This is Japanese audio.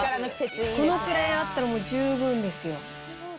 このくらいあったら、もう十分ですよ。